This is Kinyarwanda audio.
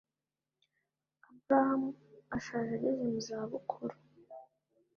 Aburahamu ashaje ageze muzabukuru